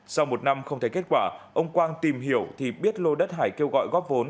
sau một năm không thấy kết quả ông quang tìm hiểu thì biết lô đất hải kêu gọi góp vốn